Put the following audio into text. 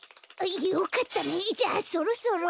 よかったねじゃあそろそろ。